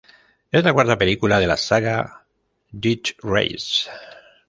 Es la cuarta película de la saga Death Race.